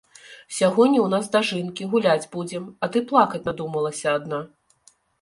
Сягоння ў нас дажынкі, гуляць будзем, а ты плакаць надумалася адна.